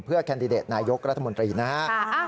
แคนดิเดตนายกรัฐมนตรีนะฮะ